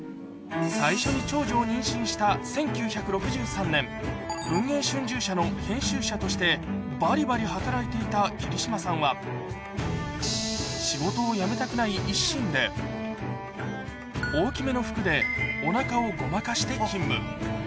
最初に長女を妊娠した１９６３年、文藝春秋社の編集者としてばりばり働いていた桐島さんは、仕事を辞めたくない一心で、大きめの服でおなかをごまかして勤務。